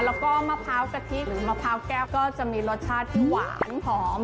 แล้วก็มะพร้าวกะทิหรือมะพร้าวแก้วก็จะมีรสชาติที่หวานหอม